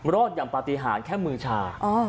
รอดอย่างปฏิหารแค่มือชา